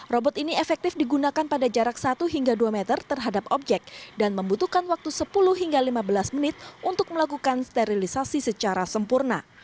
robot ini efektif digunakan pada jarak satu hingga dua meter terhadap objek dan membutuhkan waktu sepuluh hingga lima belas menit untuk melakukan sterilisasi secara sempurna